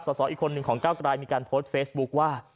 สสอีกคนหนึ่งของก้าวกลายมีการโพสต์เฟซบุ๊คว่า